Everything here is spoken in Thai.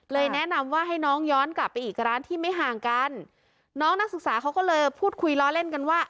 แนะนำว่าให้น้องย้อนกลับไปอีกร้านที่ไม่ห่างกันน้องนักศึกษาเขาก็เลยพูดคุยล้อเล่นกันว่า